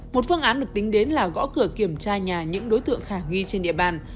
một phương án được tính đến là gõ cửa kiểm tra nhà những đối tượng khả nghi trên địa bàn